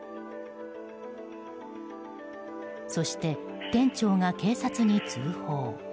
そして店長が警察に通報。